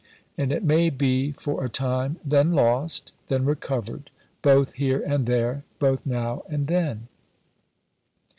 And it may be for a time then lost then recovered both here and there, both now and then.